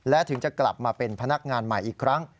และถึงจะกลับมาเป็นพนักงานใหม่อีกครั้ง